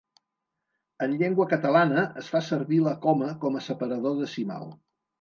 En llengua catalana es fa servir la coma com a separador decimal.